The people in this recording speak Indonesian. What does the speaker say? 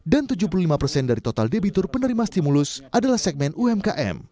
dan tujuh puluh lima dari total debitur penerima stimulus adalah segmen umkm